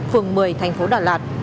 phường một mươi thành phố đà lạt